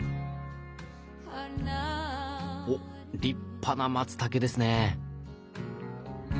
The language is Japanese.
おっ立派なマツタケですね！